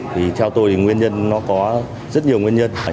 thì theo tôi thì nguyên nhân nó có rất nhiều nguyên nhân